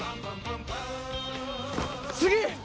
次！